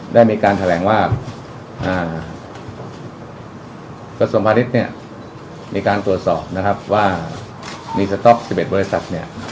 ได้มีการแถลงว่ากระทรวงพาณิชย์เนี่ยมีการตรวจสอบนะครับว่ามีสต๊อก๑๑บริษัทเนี่ย